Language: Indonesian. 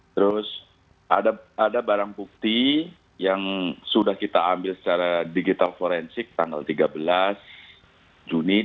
terus ada barang bukti yang sudah kita ambil secara digital forensik tanggal tiga belas juni